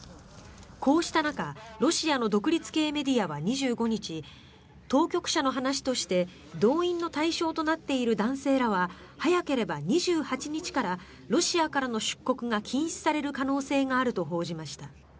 こうした中ロシアの独立系メディアは２５日当局者の話として動員の対象となっている男性らは早ければ２８日からロシアからの出国が禁止される可能性があると報じました。